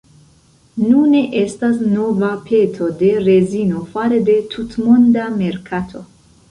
Nune estas nova peto de rezino fare de tutmonda merkato.